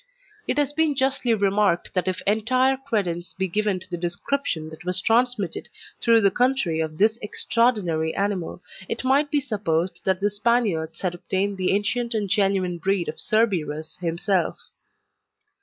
It has been justly remarked that if entire credence be given to the description that was transmitted through the country of this extraordinary animal, it might be supposed that the Spaniards had obtained the ancient and genuine breed of Cerberus himself.